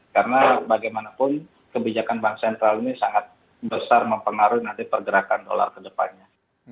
karena bagaimanapun kebijakan bank sentral ini sangat besar mempengaruhi nanti pergerakan dolar ke depannya